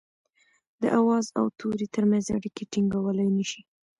د آواز او توري ترمنځ اړيکي ټيڼګولای نه شي